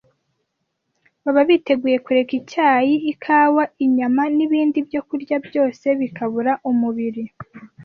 Baba biteguye kureka icyayi, ikawa, inyama, n’ibindi byokurya byose bikabura umubiri?